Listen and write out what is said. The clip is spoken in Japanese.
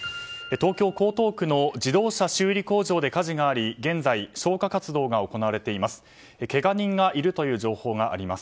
東京・江東区の自動車修理工場で火事があり現在、消火活動が行われています。